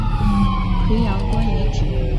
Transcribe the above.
葵阳关遗址的历史年代为明代。